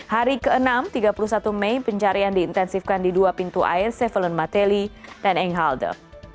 hari keenam tiga puluh satu mei pencarian diintensifkan di dua pintu air cefalen matelli dan enghalde